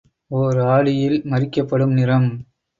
ஓர் ஆடியில் மறிக்கப்படும் நிறம்.